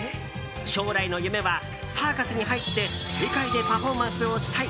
将来の夢はサーカスに入って世界でパフォーマンスをしたい。